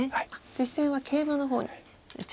実戦はケイマの方に打ちました。